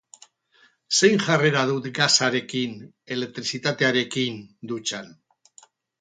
Zein jarrera dut gasarekin, elektrizitatearekin, dutxan?